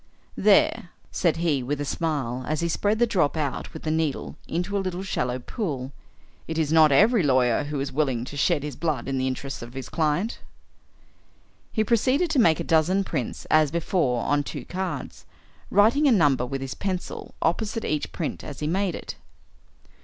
"There," said he, with a smile, as he spread the drop out with the needle into a little shallow pool, "it is not every lawyer who is willing to shed his blood in the interests of his client." He proceeded to make a dozen prints as before on two cards, writing a number with his pencil opposite each print as he made it.